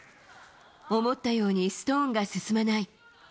思ったようにストーンが進まない。